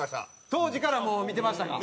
当時からもう見てましたか？